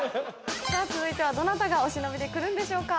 さぁ続いてはどなたがお忍びで来るんでしょうか。